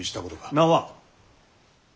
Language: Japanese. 名は？